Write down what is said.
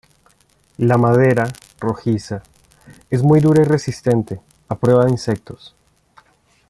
La madera, rojiza, es muy dura y resistente, a prueba de insectos.